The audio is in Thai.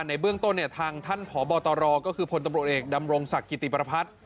ในเบื้องต้นทางท่านผอบตรก็คือพลตำรวจเอกดำรงศักดิ์กิติประพัฒน์